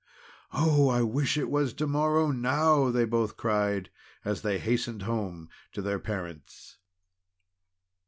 "Oh! I wish it was to morrow, now!" they both cried, as they hastened home to their parents.